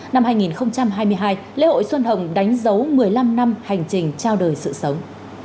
năm hai nghìn hai mươi hai lễ hội xuân hồng đánh dấu một mươi năm năm hành trình trao đời sự sống